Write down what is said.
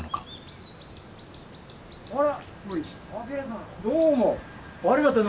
あら！